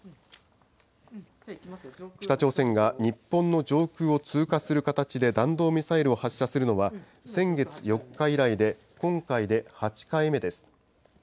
北朝鮮が日本の上空を通過する形で弾道ミサイルを発射するのは、先月４日以来で、今回で８回目です。